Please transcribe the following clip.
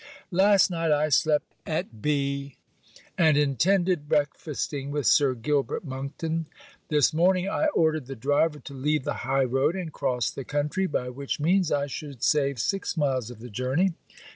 Last night, I slept at B ; and intended breakfasting with Sir Gilbert Monkton: this morning I ordered the driver to leave the high road, and cross the country, by which means I should save six miles of the journey.